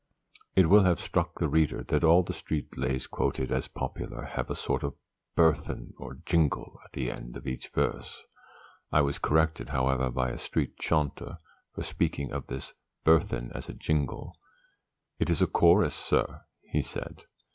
It will have struck the reader that all the street lays quoted as popular have a sort of burthen or jingle at the end of each verse. I was corrected, however, by a street chaunter for speaking of this burthen as a jingle. "It's a chorus, sir," he said.